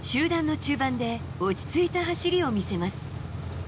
中盤で落ち着いた走りを見せます。